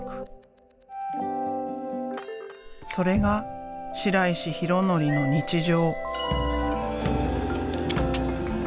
それが白石裕則の日常。